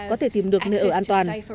có thể tìm được nơi ở an toàn